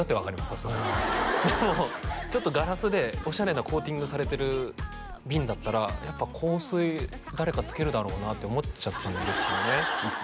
さすがにでもちょっとガラスでオシャレなコーティングされてる瓶だったらやっぱ香水誰かつけるだろうなって思っちゃったんですよね